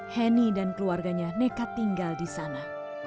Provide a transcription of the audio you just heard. heni dan keluarganya nekat tinggal di sana